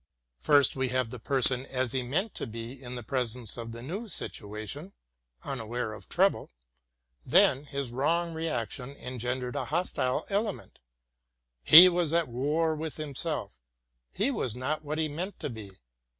First, we have the person as he meant to be in the presence of the new situation, unaware of trouble. Then, his wrong reaction engendered a hostile element. He was at war with himself; he was not what he meant to be.